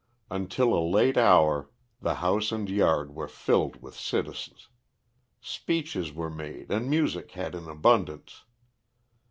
Until a late hour, the house and yard were filled with citizens. Speeches were made and music had in abundance.